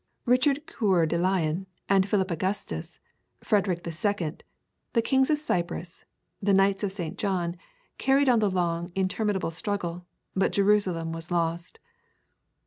Richard Coeur de Lion and Philip Augustus, Frederick II., the kings of Cyprus, the Knights of St. John, carried on the long, interminable struggle, but Jerusalem was lost.